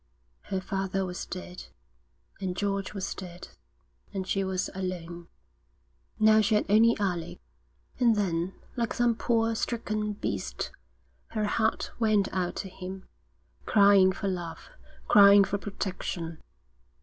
Her father was dead, and George was dead, and she was alone. Now she had only Alec; and then, like some poor stricken beast, her heart went out to him, crying for love, crying for protection.